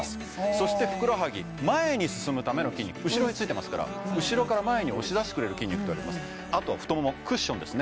そしてふくらはぎ前に進むための筋肉後ろについてますから後ろから前に押し出してくれる筋肉あとは太ももクッションですね